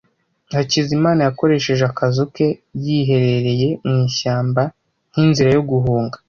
Hakizimana yakoresheje akazu ke yiherereye mu ishyamba nk'inzira yo guhunga